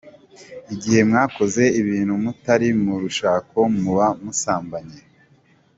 Igihe mwakoze ibintu mutari mu rushako muba musambanye.